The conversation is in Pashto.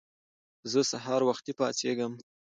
زه سهار وختی پاڅیږم